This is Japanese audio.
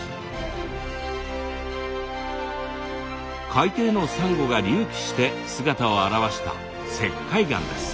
海底のサンゴが隆起して姿を現した石灰岩です。